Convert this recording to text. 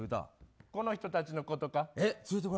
この人たちのことか？